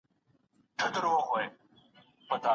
پاچهي یې هم پر مځکه هم اسمان وه